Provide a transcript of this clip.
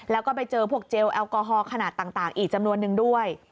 แล้วก็ไปเจอพวกเจลแอลกอฮอลขนาดต่างอีกจำนวนนึงด้วย